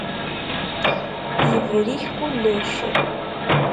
Yebrik kullec.